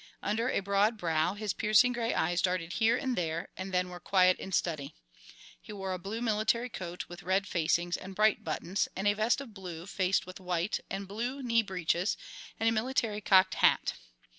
Under a broad brow his piercing gray eyes darted here and there, and then were quiet in study. He wore a blue military coat with red facings and bright buttons, and a vest of blue faced with white, and blue knee breeches, and a military cocked hat.